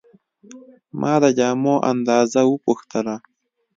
ما د جامو اندازه وپوښتله.